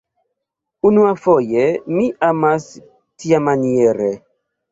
Unuafoje mi amas tiamaniere.